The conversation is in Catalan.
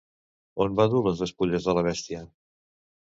On va dur les despulles de la bèstia?